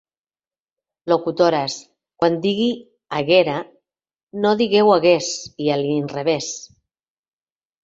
Locutores, quan digui 'haguera' no digueu 'hagués', i a l'inrevès.